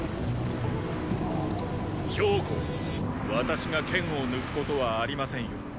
公私が剣を抜くことはありませんよ。